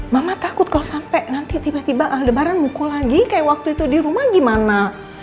mama takut kalau sampai nanti tiba tiba lebaran mukul lagi kayak waktu itu di rumah gimana